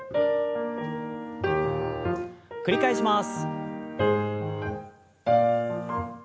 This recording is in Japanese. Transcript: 繰り返します。